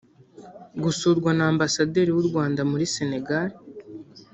Gusurwa na Ambasaderi w’u Rwanda muri Sénégal’